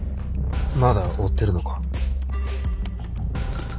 まだ追ってるのか？